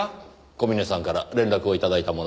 小峰さんから連絡を頂いたものですから。